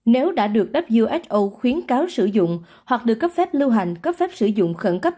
nếu đã được who khuyến cáo sử dụng hoặc được cấp phép lưu hành cấp phép sử dụng khẩn cấp